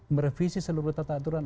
merevisi seluruh tata aturan